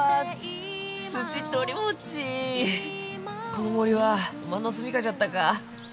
この森はおまんの住みかじゃったか。